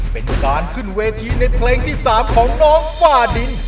เป็นการขึ้นเวทีในเพลงที่๓ของน้องฝ้าดิน